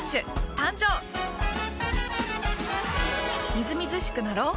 みずみずしくなろう。